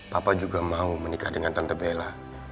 papa juga mau menikah dengan tante bella